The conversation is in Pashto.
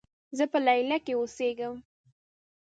زۀ په لیلیه کې اوسېږم.